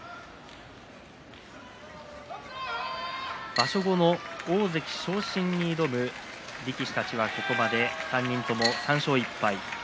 場所後の大関昇進に挑む力士たちはここまで３人とも３勝１敗。